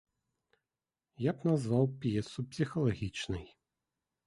Я б назваў п'есу псіхалагічнай.